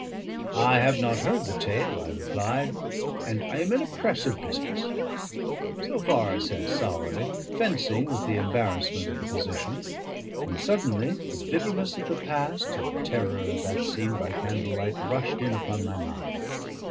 "I have not heard the tale," I replied; "and I am in a press of business." So far I said, sourly, fencing with the embarrassment of the position; and suddenly the bitterness of the past, and the terror of that scene by candle light, rushed in upon my mind.